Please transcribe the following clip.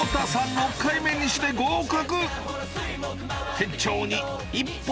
６回目にして合格！